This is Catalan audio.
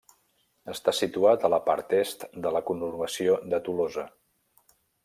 Està situat a la part est de la conurbació de Tolosa.